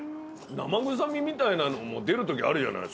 生臭みみたいなのも出るときあるじゃない？